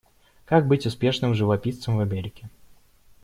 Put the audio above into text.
Как быть успешным живописцем в Америке.